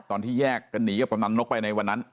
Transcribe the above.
ตอนที่แยกกันหนีกับกำนันนกไปในวันนั้น